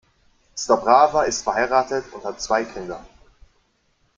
Stobrawa ist verheiratet und hat zwei Kinder.